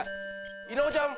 伊野尾ちゃん